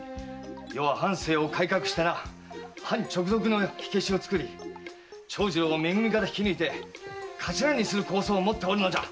余は藩政を改革して藩直属の火消しを作り長次郎をめ組から引き抜いて頭にする構想を持っておるのじゃ。